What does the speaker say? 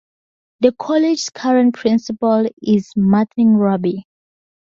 The college's current principal is Martin Raby.